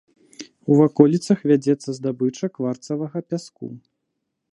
У ваколіцах вядзецца здабыча кварцавага пяску.